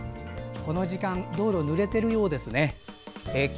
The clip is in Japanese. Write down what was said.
この時間道路はぬれているようです。